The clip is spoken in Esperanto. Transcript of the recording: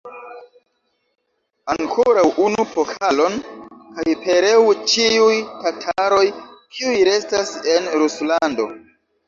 Ankoraŭ unu pokalon, kaj pereu ĉiuj tataroj, kiuj restas en Ruslando!